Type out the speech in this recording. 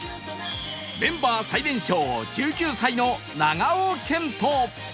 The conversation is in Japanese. メンバー最年少１９歳の長尾謙杜